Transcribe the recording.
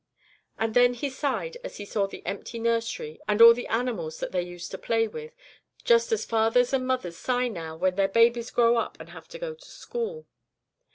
And then He sighed as He saw the empty nursery and all the animals that they used to play with, just as fathers and mothers sigh now when their babies grow up and have to go to school.